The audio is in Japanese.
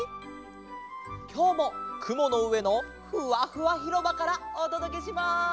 きょうもくものうえのふわふわひろばからおとどけします。